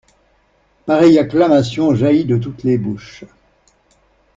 Pareille acclamation jaillit de toutes les bouches.